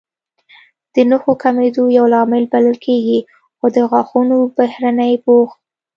د نښو کمېدو یو لامل بلل کېږي، خو د غاښونو بهرنی پوښ